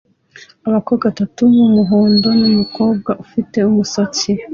Abakobwa batatu b'umuhondo n'umukobwa ufite umusatsi